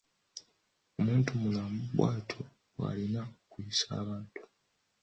Omuntumulamu bw'atyo bw’alina okuyisa abantu?